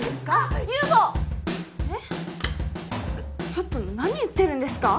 ちょっと何言ってるんですか？